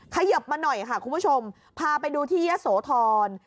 เขยิบมาหน่อยค่ะคุณผู้ชมพาไปดูที่ยะโสธร